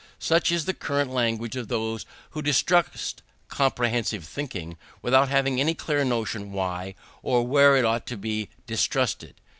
Such is the current language of those who distrust comprehensive thinking, without having any clear notion why or where it ought to be distrusted.